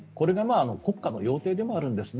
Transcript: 国家の要諦でもあるんですね。